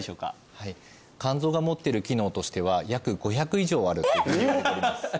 はい肝臓が持ってる機能としては約５００以上あるというふうにいわれております